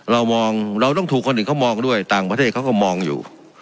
เรามองเราต้องถูกคนอื่นเขามองด้วยต่างประเทศเขาก็มองอยู่